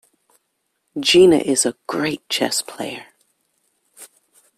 Gina is a great chess player.